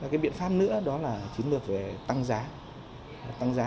cái biện pháp nữa đó là chiến lược về tăng giá